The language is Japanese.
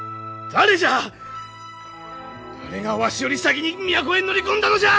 誰がわしより先に都へ乗り込んだのじゃ！？